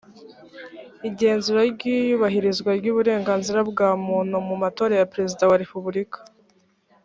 igenzura ry iyubahirizwa ry uburenganzira bwa muntu mu matora ya perezida wa repubulika